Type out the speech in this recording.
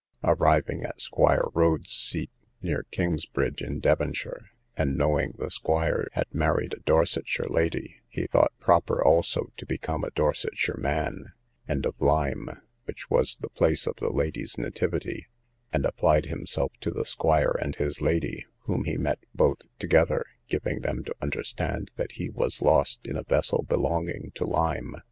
Arriving at Squire Rhodes's seat, near King's bridge in Devonshire, and knowing the squire had married a Dorsetshire lady, he thought proper also to become a Dorsetshire man, and of Lyme, which was the place of the lady's nativity, and applied himself to the squire and his lady, whom he met both together, giving them to understand that he was lost in a vessel belonging to Lyme.